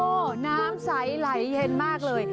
โอ้โหน้ำใสไหลเย็นมากเลย